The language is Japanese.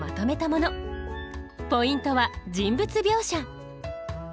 ポイントは「人物描写」。